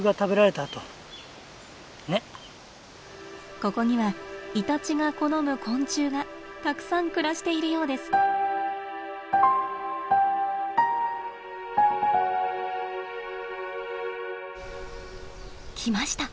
ここにはイタチが好む昆虫がたくさん暮らしているようです。来ました。